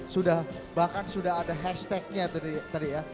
sudah bahkan sudah ada hashtagnya tadi ya